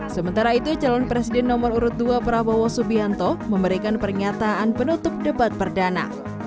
sementara itu calon presiden nomor urut dua prabowo subianto memberikan pernyataan penutup debat perdana